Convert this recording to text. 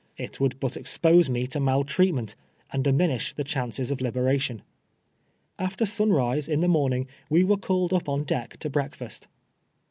It would but expose me to mal treatmeut, and diminish the ciumces of liberation. After sunrise in the morning we were called up ou deck to breakfast.